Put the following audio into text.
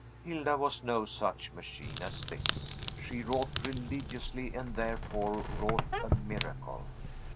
Hilda was no such machine as this; she wrought religiously, and therefore wrought a miracle.